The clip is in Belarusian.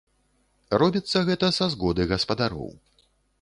Робіцца гэта са згоды гаспадароў.